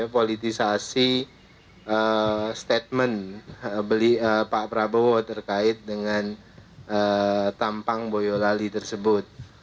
politisasi statement pak prabowo terkait dengan tampang boyolali tersebut